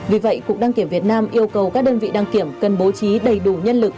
vì vậy cục đăng kiểm việt nam yêu cầu các đơn vị đăng kiểm cần bố trí đầy đủ nhân lực